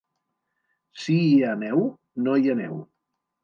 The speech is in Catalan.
Si hi ha neu, no hi aneu.